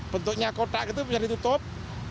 bentuknya kotak itu bisa ditutup